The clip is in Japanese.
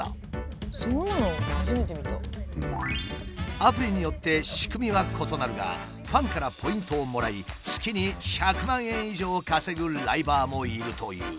アプリによって仕組みは異なるがファンからポイントをもらい月に１００万円以上稼ぐライバーもいるという。